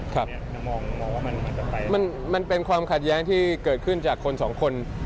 ครับมองว่ามันจะไปมันเป็นความขัดแย้งที่เกิดขึ้นจากคนสองคน